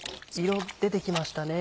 色出て来ましたね。